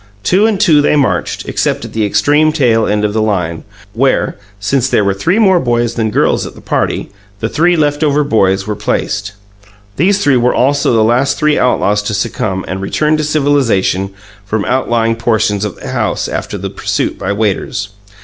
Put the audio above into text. Two and two they marched, except at the extreme tail end of the line, where, since there were three more boys than girls at the party, the three left over boys were placed. These three were also the last three outlaws to succumb and return to civilization from outlying portions of the house after the pursuit by waiters.